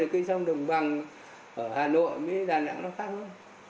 cây xăng đồng bằng ở hà nội đà nẵng nó khác hơn